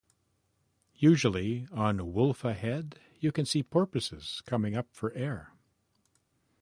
Usually, on Wylfa Head, you can see porpoises coming up for air.